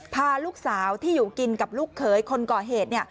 พาลูกสาวที่อยู่กินกับลูกเขยคนก่อเหตุ